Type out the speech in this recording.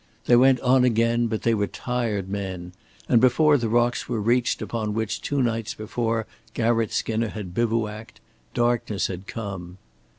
They went on again, but they were tired men, and before the rocks were reached upon which two nights before Garratt Skinner had bivouacked, darkness had come.